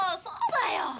そうだよ。